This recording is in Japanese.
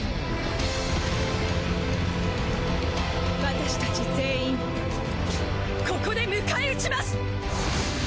私達全員ここで迎え撃ちます！